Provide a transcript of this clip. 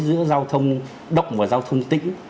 giữa giao thông động và giao thông tĩnh